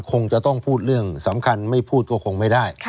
คงจะต้องพูดเรื่องสำคัญไม่พูดก็คงไม่ได้